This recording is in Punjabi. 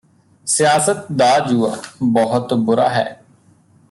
ਸਿਆਸਤ ਦਾ ਜੂਆ ਬਹੁਤ ਬੁਰਾ ਹੈ